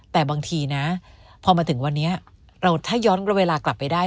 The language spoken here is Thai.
แต่บางทีนะพอมาถึงวันนี้เราถ้าย้อนเวลากลับไปได้